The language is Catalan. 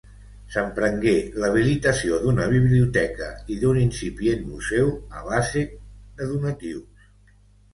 S'emprengué l'habilitació d'una biblioteca i d'un incipient museu, a base de donatius.